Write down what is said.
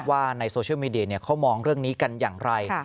ว่าในโซเชียลมีเดียเขามองเรื่องนี้กันอย่างไร